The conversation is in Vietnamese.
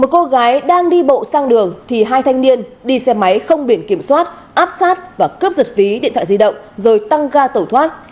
một cô gái đang đi bộ sang đường thì hai thanh niên đi xe máy không biển kiểm soát áp sát và cướp giật ví điện thoại di động rồi tăng ga tẩu thoát